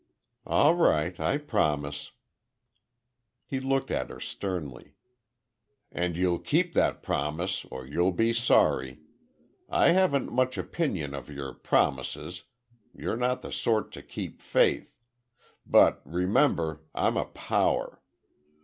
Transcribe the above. "All right, I promise." He looked at her sternly. "And you'll keep that promise, or you'll be sorry! I haven't much opinion of your promises, you're not the sort to keep faith. But, remember I'm a power.